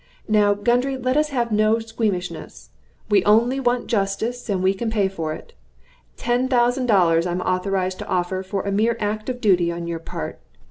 Now, Gundry, let us have no squeamishness. We only want justice, and we can pay for it. Ten thousand dollars I am authorized to offer for a mere act of duty on your part.